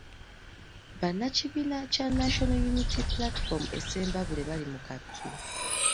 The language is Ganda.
Bannakibiina kya National Unity Platform e Ssembabule bali mu kattu.